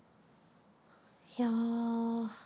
いや。